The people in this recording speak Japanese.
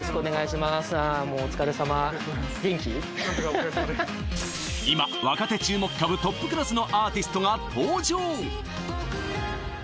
なんとかおかげさまで今若手注目株トップクラスのアーティストが登場！